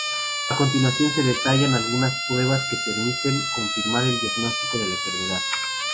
A continuación se detallan algunas pruebas que permiten confirmar el diagnóstico de la enfermedad.